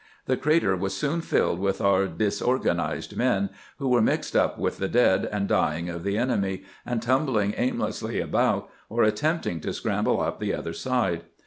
The crater was soon filled with our disorganized men, who were mixed up with the dead and dying of the enemy, and tumbling aimlessly about, or attempting to scramble up the other side.